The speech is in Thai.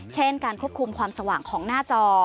เช่นการควบคุมความสว่างของหน้าจอ